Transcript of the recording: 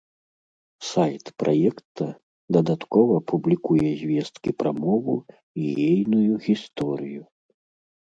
Сайт праекта дадаткова публікуе звесткі пра мову і ейную гісторыю.